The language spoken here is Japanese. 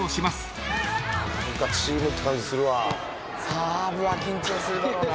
サーブは緊張するだろうな。